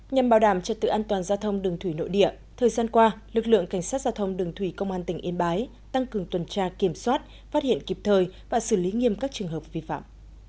nhằm bảo đảm trật tự an toàn giao thông đường thủy nội địa thời gian qua lực lượng cảnh sát giao thông đường thủy công an tỉnh yên bái tăng cường tuần tra kiểm soát phát hiện kịp thời và xử lý nghiêm các trường hợp vi phạm